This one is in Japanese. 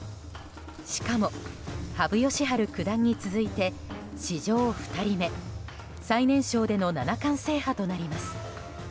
しかも、羽生善治九段に続いて史上２人目最年少での七冠制覇となります。